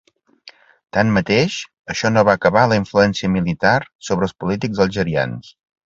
Tanmateix, això no va acabar la influència militar sobre els polítics algerians.